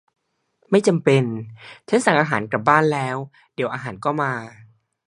ไม่จำเป็น ฉันสั่งอาหารกลับบ้านแล้ว เดี๋ยวอาหารก็มา